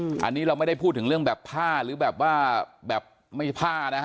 อันนี้เราไม่ได้พูดถึงเรื่องแบบผ้าหรือแบบว่าแบบไม่ผ้านะฮะ